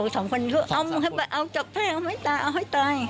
สองคนก็เอาให้ตายเอาให้ตาย